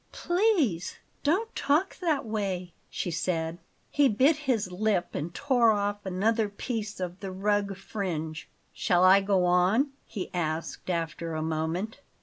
"PLEASE don't talk that way," she said. He bit his lip and tore off another piece of the rug fringe. "Shall I go on?" he asked after a moment.